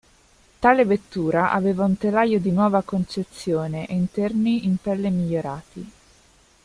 Tale vettura aveva un telaio di nuova concezione e interni in pelle migliorati.